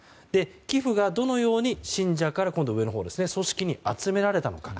寄付がどのように信者から組織に集められたのか。